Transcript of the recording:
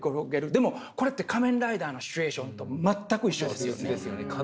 でもこれって「仮面ライダー」のシチュエーションと全く一緒ですよね。